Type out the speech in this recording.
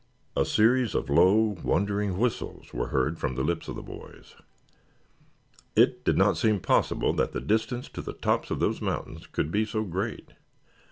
A series of low wondering whistles were heard from the lips of the boys. It did not seem possible that the distance to the tops of those mountains could be so great.